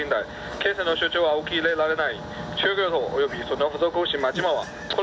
棋戦の主張は受け入れられない。